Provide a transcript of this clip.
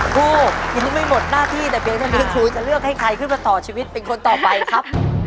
ครูทีนี้ไม่หมดหน้าที่แต่เพียงเท่านี้ครูจะเลือกให้ใครขึ้นมาต่อชีวิตเป็นคนต่อไปครับ